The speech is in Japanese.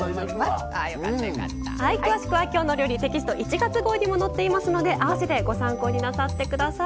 詳しくは「きょうの料理」テキスト１月号にも載っていますので併せてご参考になさってください。